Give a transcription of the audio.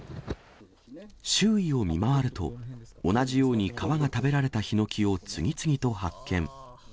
周囲を見回ると、同じように皮が食べられたヒノキを次々と発見。